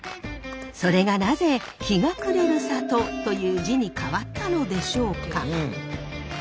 それがなぜ日が暮れる里という字に変わったのでしょうか？